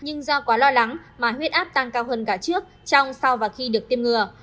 nhưng do quá lo lắng mà huyết áp tăng cao hơn cả trước trong sau và khi được tiêm ngừa